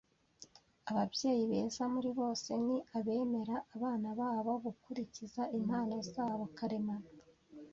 Ababyeyi beza muri bose ni abemerera abana babo gukurikiza impano zabo karemano.